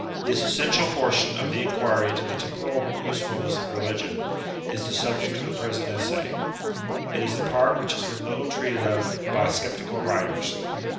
This essential portion of the inquiry into the tem poral usefulness of religion, is the subject of the present Essay. It is a part which has been little treated of by sceptical writers.